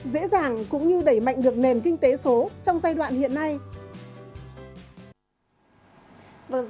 dễ dàng cũng như đẩy mạnh được nền kinh tế số trong giai đoạn hiện nay